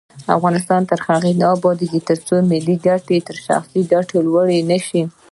افغانستان تر هغو نه ابادیږي، ترڅو ملي ګټې تر شخصي ګټو لوړې نشي.